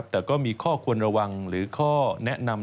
แต่ก็มีข้อควรระวังหรือข้อแนะนำ